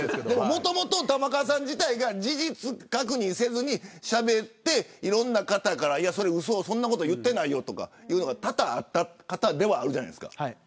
もともと玉川さん自体が事実確認せずにしゃべって、いろんな方からそんなこと言ってないよとかそういうのが多々あった方ではあるじゃないですか。